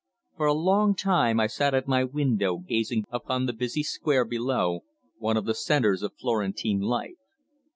For a long time I sat at my window gazing down upon the busy square below, one of the centres of Florentine life.